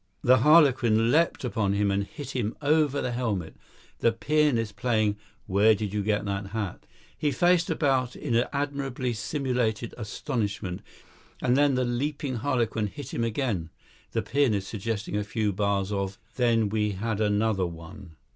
The harlequin leapt upon him and hit him over the helmet; the pianist playing "Where did you get that hat?" he faced about in admirably simulated astonishment, and then the leaping harlequin hit him again (the pianist suggesting a few bars of "Then we had another one").